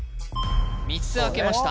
３つ開けました